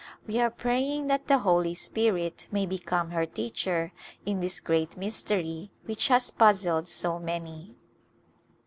We are praying that the Holy Spirit may become her teacher in this great mystery which has puzzled so many.